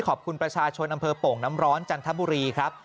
ขอบคุณประชาชนอำเภอโป่งน้ำร้อนจันทบุรีครับ